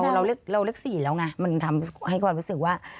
คือเราเลือก๔แล้วไงมันทำให้ความรู้สึกว่า